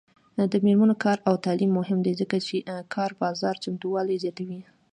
د میرمنو کار او تعلیم مهم دی ځکه چې کار بازار چمتووالي زیاتوي.